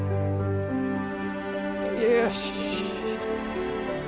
よし！